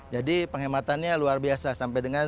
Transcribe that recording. jadi penghematannya luar biasa sampai dengan